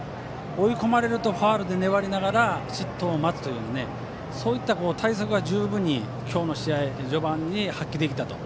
追い込まれるとファウルで粘り失投を待つという対策が十分に今日の試合の序盤に発揮できたと。